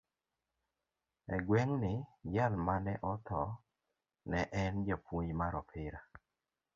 E gweng'gi, jal ma ne otho ne en japuonj mar opira